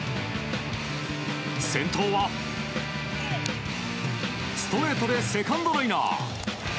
先頭はストレートでセカンドライナー。